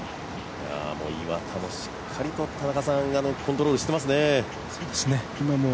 岩田もしっかりとコントロールしていますね。